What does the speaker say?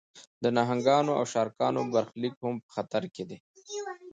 د نهنګانو او شارکانو برخلیک هم په خطر کې دی.